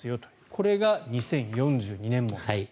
これが２０４２年問題。